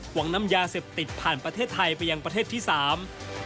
หวังนำยาเสพติดผ่านประเทศไทยไปยังประเทศที่สาม